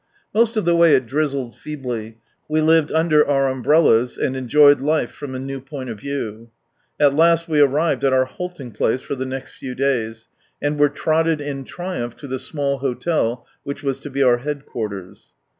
Most of the way it drizzled feebly : we lived under our umbrellas, and enjoyed life from a new point of view. At last we arrived at our halting pi ace, for the next few days ; and were trotted in triumph to the small hotel which was to be our headquarters.